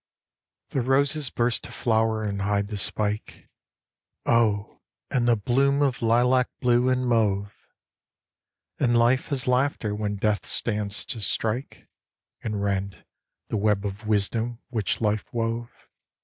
The roses burst to flower and hide the spike ; O and the bloom of lilac blue and mauve ; And Life has laughter when Death stands to strike ; And rend the web of wisdom which Life wove.